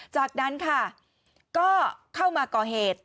จากนั้นค่ะก็เข้ามาก่อเหตุ